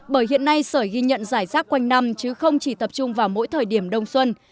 bởi hiện nay sởi ghi nhận giải rác quanh năm chứ không chỉ tập trung vào mỗi thời điểm đông xuân